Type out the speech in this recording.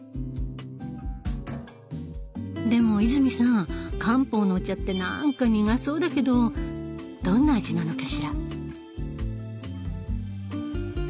でも泉さん漢方のお茶ってなんか苦そうだけどどんな味なのかしら？